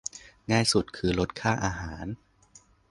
ง่ายสุดคือลดค่าอาหาร